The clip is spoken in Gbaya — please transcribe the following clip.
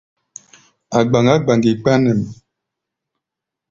A̧ gbaŋgá gbaŋgi kpa nɛ̌ʼm.